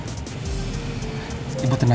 saya akan bicara sebagai sosok ayah